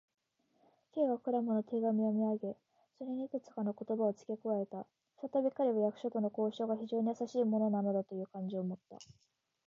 Ｋ はクラムの手紙を読みあげ、それにいくつかの言葉をつけ加えた。ふたたび彼は、役所との交渉が非常にやさしいものなのだという感情をもった。